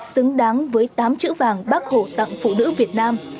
xứng đáng với tám chữ vàng bác hổ tặng phụ nữ việt nam